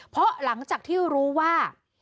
เพราะหลังจากที่รู้ว่า